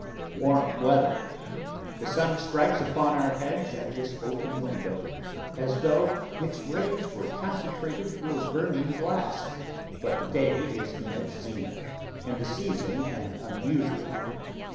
Warm weather! The sun strikes upon our heads at this open window, as though its rays were concentrated through a burning glass; but the day is in its zenith, and the season an unusual one.